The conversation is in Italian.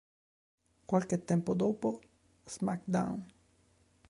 Qualche tempo dopo "SmackDown!